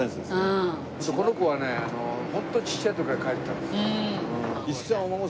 この子はねホントちっちゃい時から描いてたんですよ。